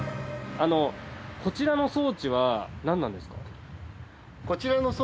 あのこちらの装置はなんなんですか？